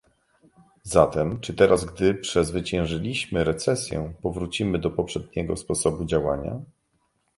Zatem, czy teraz, gdy przezwyciężyliśmy recesję powrócimy do poprzedniego sposobu działania?